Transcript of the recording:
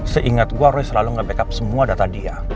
seingat gue roy selalu ngebackup semua data dia